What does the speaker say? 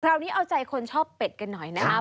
นี้เอาใจคนชอบเป็ดกันหน่อยนะครับ